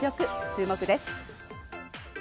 注目です。